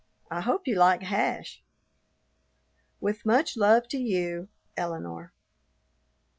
I hope you like hash. With much love to you, ELINORE.